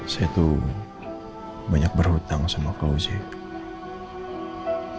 saya tuh banyak berhutang sama kau sih